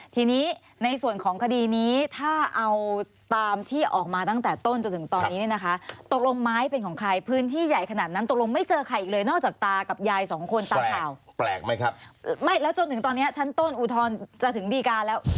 กับยายสองคนตามข่าวแปลกไหมครับไม่แล้วจนถึงตอนเนี้ยชั้นต้นอูทรจะถึงดีการแล้ว